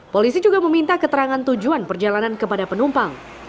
polisi juga meminta keterangan tujuan perjalanan kepada penumpang